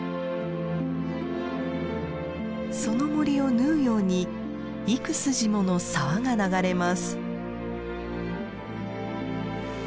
その森を縫うように幾筋もの沢が流れます。